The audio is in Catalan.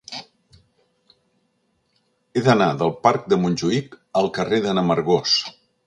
He d'anar del parc de Montjuïc al carrer de n'Amargós.